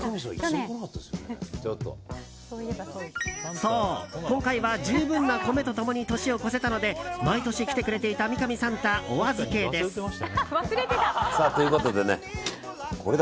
そう、今回は十分な米と共に年を越せたので毎年来てくれていた三上サンタ、おあずけです。ということでね、これだ。